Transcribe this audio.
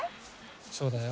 そうだよ。